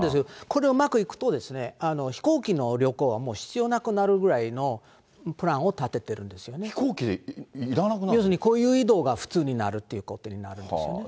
これ、うまくいくと飛行機の旅行はもう必要なくなるぐらいのプランを立飛行機、要するに、こういう移動が普通になるということになるんですよね。